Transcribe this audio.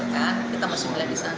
kan kita masih melihat di sana